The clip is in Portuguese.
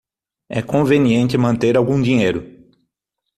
É conveniente manter algum dinheiro.